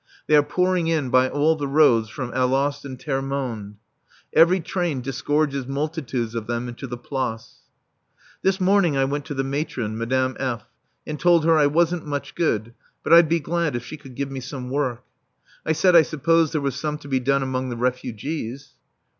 They are pouring in by all the roads from Alost and Termonde. Every train disgorges multitudes of them into the Place. This morning I went to the Matron, Madame F., and told her I wasn't much good, but I'd be glad if she could give me some work. I said I supposed there was some to be done among the refugees.